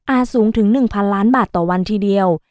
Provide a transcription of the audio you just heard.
สูงถึง๑๐๐ล้านบาทต่อวันทีเดียว